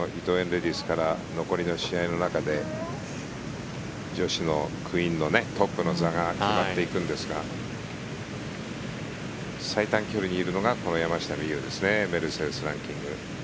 レディスから残りの試合の中で女子のクイーンのトップの座が決まっていくんですが最短距離にいるのがこの山下美夢有ですねメルセデス・ランキング。